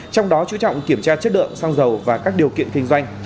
trong đó chú trọng kiểm tra chất lượng xăng dầu và các điều kiện kinh doanh